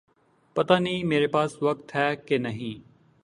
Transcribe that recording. پتا نہیں میرے پاس وقت ہے کہ نہیں